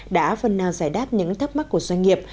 đã phần nào giải đáp những thắc mắc của doanh nghiệp